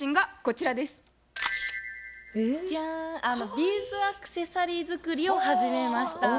ビーズアクセサリー作りを始めました。